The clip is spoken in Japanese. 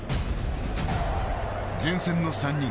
前線の３人。